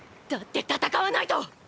だって戦わないと！！